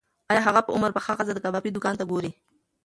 ایا هغه په عمر پخه ښځه د کبابي دوکان ته ګوري؟